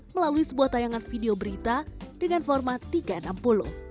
melalui sebuah tayangan video berita dengan format tv